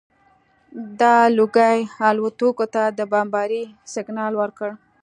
دا لوګي الوتکو ته د بمبارۍ سګنال ورکړ